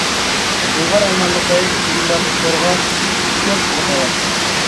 جۇڭغار ئويمانلىقى ئىللىق قۇرغاق چۆل تىپىغا تەۋە.